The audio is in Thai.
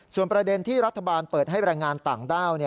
ส่วนประเด็นที่รัฐบาลเปิดให้แรงงานต่างด้าว